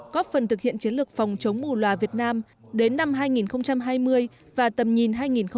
có phần thực hiện chiến lược phòng chống mù loà việt nam đến năm hai nghìn hai mươi và tầm nhìn hai nghìn ba mươi